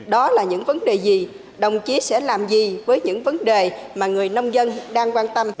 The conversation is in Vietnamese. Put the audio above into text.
đó là những vấn đề gì đồng chí sẽ làm gì với những vấn đề mà người nông dân đang quan tâm